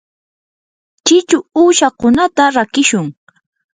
chichu uushakunata rakishun.